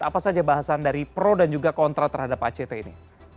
apa saja bahasan dari pro dan juga kontra terhadap act ini